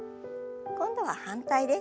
今度は反対です。